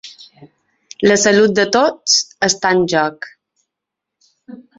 La salut de tots està en joc.